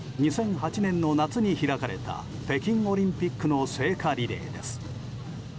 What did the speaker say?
２００８年の夏に開かれた北京オリンピックの聖火リレー。